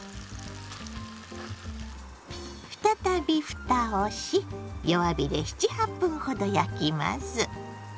再びふたをし弱火で７８分ほど焼きます。